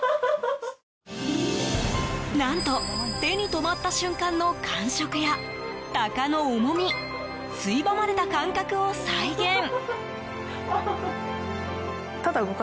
何と手に止まった瞬間の感触やタカの重みついばまれた感覚を再現。